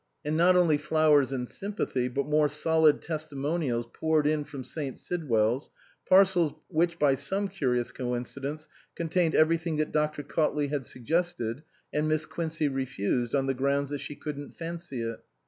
And not only flowers and sympathy, but more solid testimonials poured in from St. Sidwell's, parcels which by some curious coincidence contained everything that Dr. Cautley had suggested and Miss Quincey refused on the grounds that she " couldn't fancy it."